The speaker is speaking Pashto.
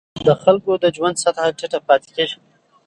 د خلکو د ژوند سطحه ټیټه پاتې کېږي.